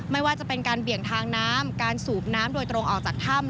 ไม่ว่าจะเป็นการเบี่ยงทางน้ำการสูบน้ำโดยตรงออกจากถ้ำ